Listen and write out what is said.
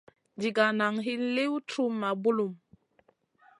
Ɗiga nan hin liw truhma bulum.